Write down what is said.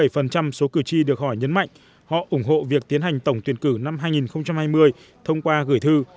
trong khi đó bảy mươi bảy số cử tri được hỏi nhấn mạnh họ ủng hộ việc tiến hành tổng tuyển cử năm hai nghìn hai mươi thông qua gửi thư